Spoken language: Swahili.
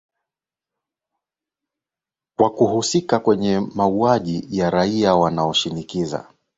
kwa kuhusika kwenye mauaji ya raia wanaoshinikiza